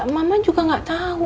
mama juga gak tau